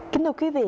kính thưa quý vị